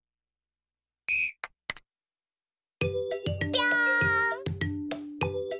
ぴょん。